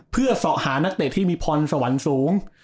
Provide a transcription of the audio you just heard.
เพื่อสอหานักเตะที่มีพรสวรรค์สูง